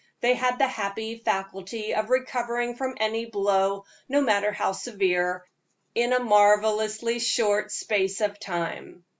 They had the happy faculty of recovering from any blow, no matter how severe, in a marvelously short space of time.